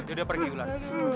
udah pergi ular